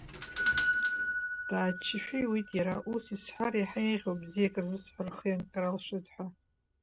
Дааччашәа иуит иара, ус исҳәар еиҳа еиӷьуп, бзиак рзысҳәар рхы ианҟьар алшоит ҳәа.